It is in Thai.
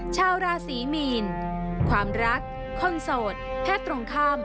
ชาวราศีมีนความรักคนโสดแพทย์ตรงข้าม